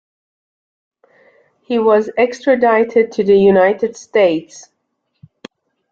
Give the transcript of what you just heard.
He was extradited to the United States.